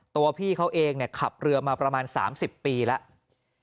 ตัวพี่เขาเองขับเรือมาประมาณ๓๐ปีแล้ว